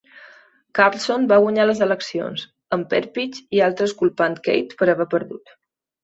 Carlson va guanyar les eleccions, amb Perpich i altres culpant Keith per haver perdut.